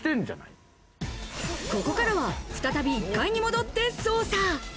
ここからは再び１階に戻って捜査。